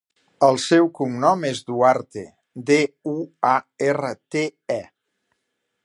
El seu cognom és Duarte: de, u, a, erra, te, e.